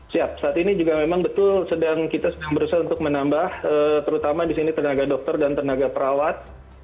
siap saat ini juga memang betul kita sedang berusaha untuk menambah terutama di sini tenaga dokter dan tenaga perawat